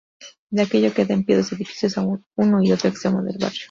De aquello queda en pie dos edificios a uno y otro extremo del barrio.